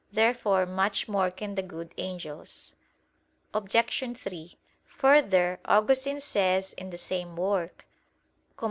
Therefore much more can the good angels. Obj. 3: Further, Augustine says in the same work [*Cf.